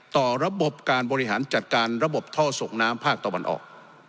ต่อระบบการบริหารจัดการระบบท่อส่งน้ำภาคตะวันออก